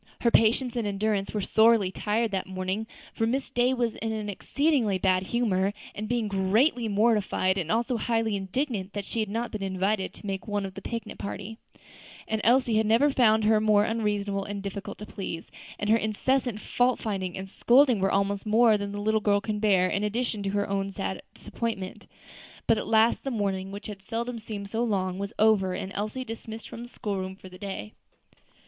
Her patience and endurance were sorely tried that morning, for Miss Day was in an exceedingly bad humor, being greatly mortified and also highly indignant that she had not been invited to make one of the picnic party; and Elsie had never found her more unreasonable and difficult to please; and her incessant fault finding and scolding were almost more than the little girl could bear in addition to her own sad disappointment. But at last the morning, which had seldom seemed so long, was over, and Elsie dismissed from the school room for the day.